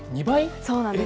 そうなんです。